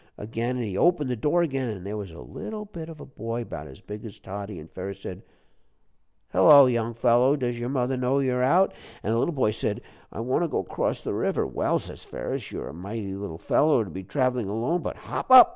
again, and he opened the door again, an' there was a little bit of a boy, 'bout as big as Toddie. An' Ferus said, 'Hello, young fellow, does your mother know you're out?' An' the little boy said, 'I want to go 'cross the river.' 'Well,' says Ferus, 'you're a mighty little fellow to be travelin' alone, but hop up.'